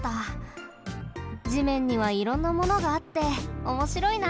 地面にはいろんなものがあっておもしろいな。